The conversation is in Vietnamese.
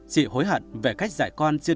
chị hối hận về cách dạy con chưa tiêu chuẩn